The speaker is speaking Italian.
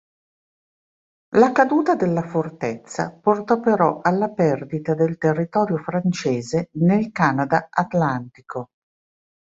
La caduta della fortezza portò però alla perdita del territorio francese nel Canada atlantico.